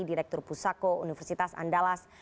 direktur pusako universitas andalas